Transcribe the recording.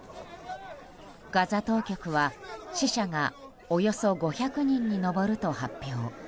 ガザ当局は、死者がおよそ５００人に上ると発表。